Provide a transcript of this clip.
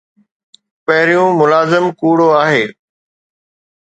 پهريون ملازم ڪوڙو آهي